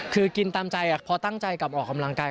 คือกินตามใจพอตั้งใจกลับออกกำลังกาย